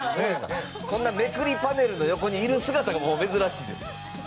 こんなめくりパネルの横にいる姿が珍しいですよ。